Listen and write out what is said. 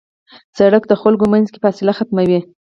سړک د خلکو منځ کې فاصله ختموي.